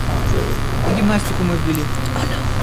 И гимнастику мы ввели.